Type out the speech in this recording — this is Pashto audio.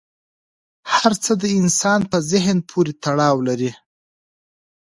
هر څه د انسان په ذهن پورې تړاو لري.